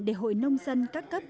để hội nông dân các cấp